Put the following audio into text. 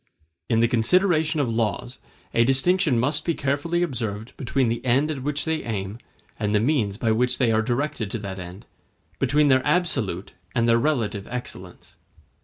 In the consideration of laws a distinction must be carefully observed between the end at which they aim and the means by which they are directed to that end, between their absolute and their relative excellence.